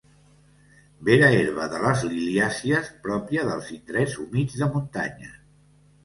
Vera herba de les liliàcies pròpia dels indrets humits de muntanya.